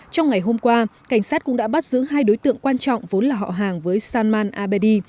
trong ngày hôm qua cảnh sát cũng đã bắt giữ hai đối tượng quan trọng vốn là họ hàng với salman abei